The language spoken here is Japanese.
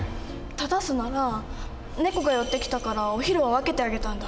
正すなら「ネコが寄ってきたからお昼を分けてあげたんだ。